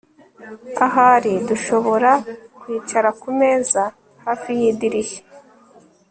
Ahari dushobora kwicara kumeza hafi yidirishya